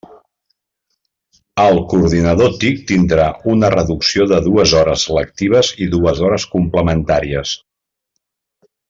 El coordinador TIC tindrà una reducció de dues hores lectives i dues hores complementàries.